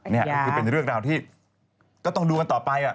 นี่คือเป็นเรื่องราวที่ก็ต้องดูกันต่อไป